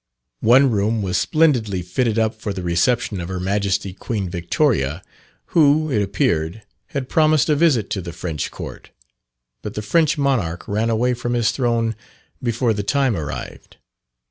One room was splendidly fitted up for the reception of Her Majesty Queen Victoria; who, it appeared, had promised a visit to the French Court; but the French Monarch ran away from his throne before the time arrived.